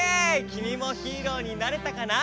きみもヒーローになれたかな？